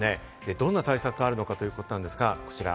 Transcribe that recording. どんな対策があるのかということなんですが、こちら。